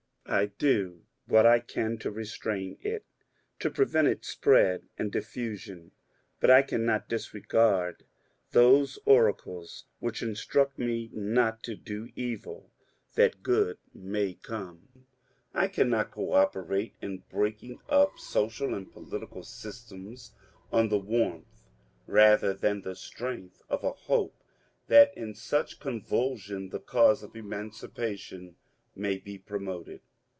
I do what I can to restrain it, to prevent its spread and diffu sion. But I cannot disregard those oracles which instruct me ' not to do evil that good may come ; I cannot cooperate in ; breaking up social and political systems on the warmth (rather I than the strength) of a hope that in such convulsion the cause of emancipation may be promoted.